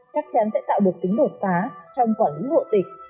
chắc chắn sẽ tạo được tính đột phá trong quản lý hộ tịch